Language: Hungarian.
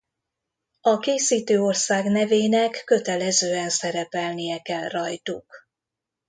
A készítő ország nevének kötelezően szerepelnie kell rajtuk.